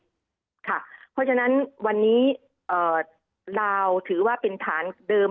เพราะฉะนั้นวันนี้ลาวถือว่าเป็นฐานเดิม